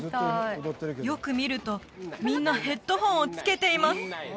よく見るとみんなヘッドホンをつけています